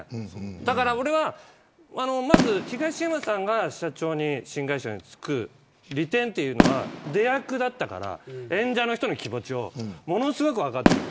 だから俺はまず東山さんが新会社の社長に就く利点というのは出役だったから演者の人の気持ちをものすごく分かっている。